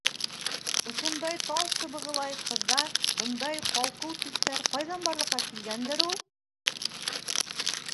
Ошондай тал сыбығылай ҡыҙҙа бындай ҡалҡыу түштәр ҡайҙан барлыҡҡа килгәндер ул?